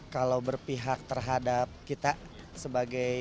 kalau berpihak terhadap kita sebagai